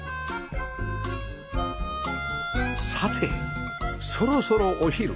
さてそろそろお昼